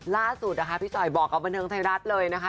ล่าสุดพี่จอยบอกกับพันธงไทยรัฐเลยนะคะ